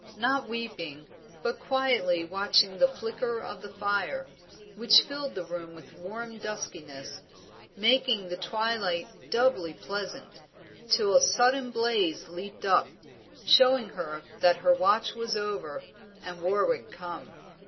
Not weeping, but quietly watching the flicker of the fire, which filled the room with warm duskiness, making the twilight doubly pleasant, till a sudden blaze leaped up, showing her that her watch was over and Warwick come.